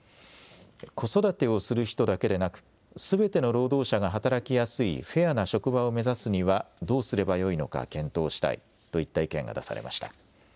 子育てをする人だけでなくすべての労働者が働きやすいフェアな職場を目指すにはどうすればよいのか検討したいといった意見が出されました。